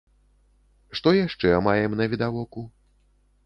Што яшчэ маем навідавоку?